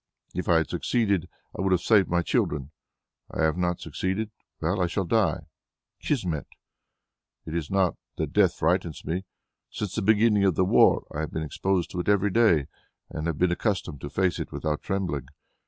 If I had succeeded, I would have saved my children; I have not succeeded well, I shall die. Kismet! It is not that death frightens me. Since the beginning of the war I have been exposed to it every day, and have been accustomed to face it without trembling.